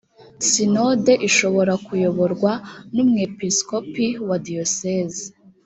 sinode ishobora kuyoborwa n’umwepiskopi wa diyoseze